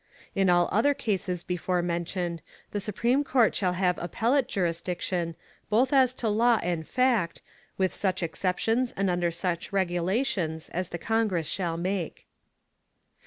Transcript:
In all the other cases before mentioned, the Supreme Court shall have appellate jurisdiction, both as to law and fact, with such exceptions and under such regulations as the Congress shall make.